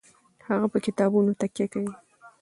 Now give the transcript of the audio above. هغه په کتابونو تکیه کوي.